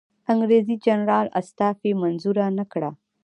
انګریزي جنرال استعفی منظوره نه کړه.